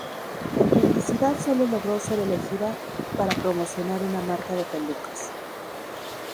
En publicidad solo logró ser elegida para promocionar una marca de pelucas.